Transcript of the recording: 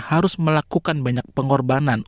harus melakukan banyak pengorbanan